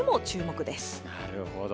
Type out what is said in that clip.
なるほど。